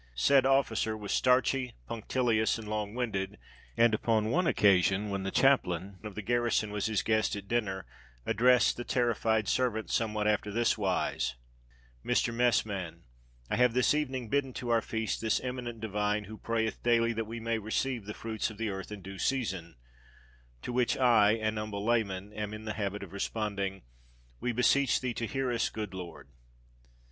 Said officer was starchy, punctilious, and long winded, and upon one occasion, when the chaplain to the garrison was his guest at dinner, addressed the terrified servant somewhat after this wise: "Mr. Messman I have this evening bidden to our feast this eminent divine, who prayeth daily that we may receive the fruits of the earth in due season; to which I, an humble layman, am in the habit of responding: 'We beseech thee to hear us, good Lord.'